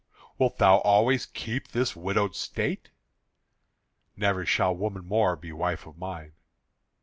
wilt thou always keep this widowed state?" "Never shall woman more be wife of mine."